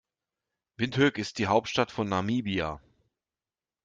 Windhoek ist die Hauptstadt von Namibia.